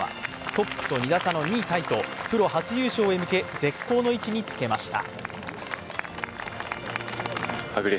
トップと２打差の２位タイとプロ初優勝へ向け、絶好の位置につけました。